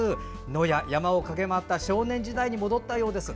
野や山を駆け回った少年時代に戻ったようです。